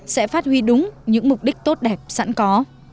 sẽ phát huy đúng những mục đích tốt đẹp sẵn có